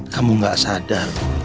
kamu gak sadar